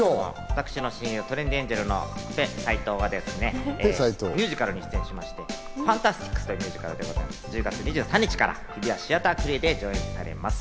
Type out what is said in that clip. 私の親友トレンディエンジェルの斎藤はですね、ミュージカルに出演しまして、『ファンタスティックス』というものでして１０月２３日から日比谷シアタークリエで上演されます。